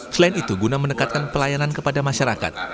selain itu guna mendekatkan pelayanan kepada masyarakat